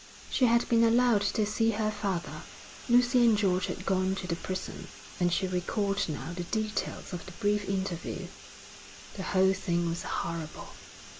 She had been allowed to see her father. Lucy and George had gone to the prison, and she recalled now the details of the brief interview. The whole thing was horrible.